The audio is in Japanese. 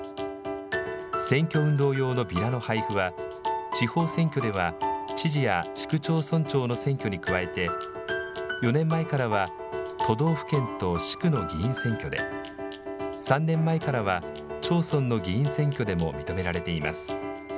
選挙運動用のビラの配布は、地方選挙では知事や市区町村長の選挙に加えて、４年前からは都道府県と市区の議員選挙で、３年前からは、町村の議員選挙でも認められています。